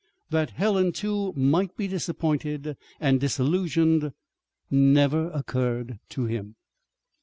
That Helen, too, might be disappointed and disillusioned never occurred to him.